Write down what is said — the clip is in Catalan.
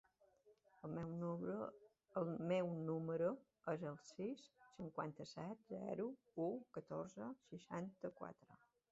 El meu número es el sis, cinquanta-set, zero, u, catorze, seixanta-quatre.